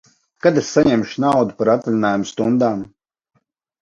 Kad es saņemšu naudu par atvaļinājuma stundām?